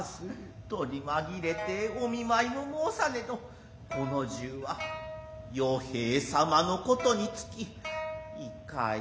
取り紛れて御見舞も申さねど此の中は与兵衛様の事につきいかい